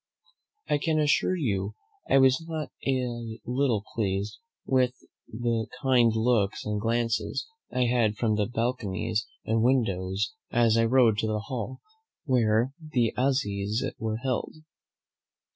I can assure you I was not a little pleased with the kind looks and glances I had from all the balconies and windows as I rode to the hall where the assizes were held.